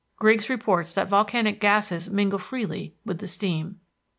Griggs reports that volcanic gases mingle freely with the steam.